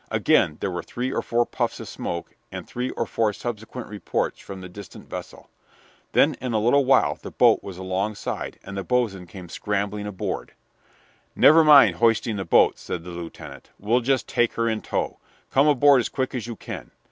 Again there were three or four puffs of smoke and three or four subsequent reports from the distant vessel. Then, in a little while, the boat was alongside, and the boatswain came scrambling aboard. "Never mind hoisting the boat," said the lieutenant; "we'll just take her in tow. Come aboard as quick as you can."